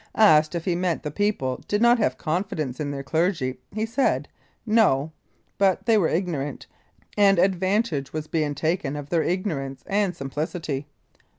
Asked if he meant the people did not have confidence in their clergy, he said, "No," but they were ignorant, and advantage was being taken of their ignorance and simplicity.